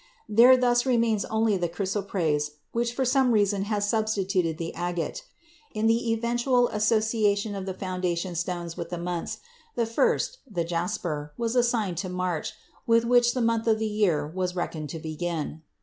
There thus remains only the chrysoprase, which for some reason has substituted the agate. In the eventual association of the foundation stones with the months, the first, the jasper, was assigned to March, with which month the year was reckoned to begin.